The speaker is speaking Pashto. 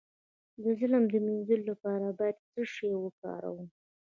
د ظلم د مینځلو لپاره باید څه شی وکاروم؟